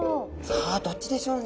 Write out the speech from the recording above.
さあどっちでしょうね？